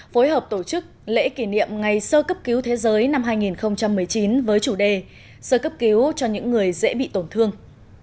phối hợp tổ chức lễ kỷ niệm ngày sơ cấp cứu thế giới năm hai nghìn một mươi chín với chủ đề sơ cấp cứu cho những người dễ bị tổn thương